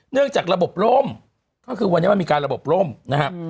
จากระบบร่มก็คือวันนี้มันมีการระบบร่มนะครับ